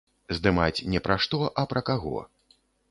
Здымаць не пра што, а пра каго.